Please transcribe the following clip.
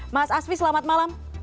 mas asfi selamat malam